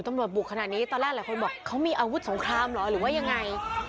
บุกขนาดนี้ตอนแรกหลายคนบอกเขามีอาวุธสงครามเหรอหรือว่ายังไง